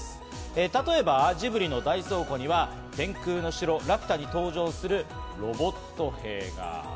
例えば、ジブリの大倉庫には『天空の城ラピュタ』に登場するロボット兵が。